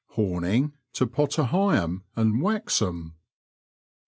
HoBNiNG TO Potter Heigham and Waxham.